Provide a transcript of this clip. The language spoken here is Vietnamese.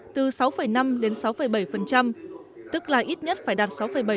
từ sáu năm đến sáu bảy tức là ít nhất phải đạt sáu bảy